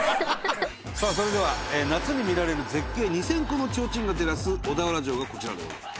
それでは、夏に見られる絶景２０００個の提灯が照らす小田原城がこちらでございます。